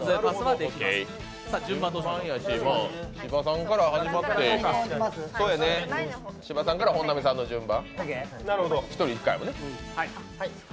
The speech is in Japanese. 芝さんから始まって本並さんの順番。